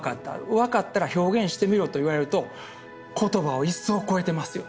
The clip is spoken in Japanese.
分かったら表現してみろと言われると言葉を一層超えてますよね。